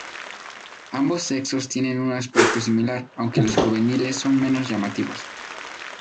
Ambos sexos tienen un aspecto similar, aunque los juveniles son menos llamativos.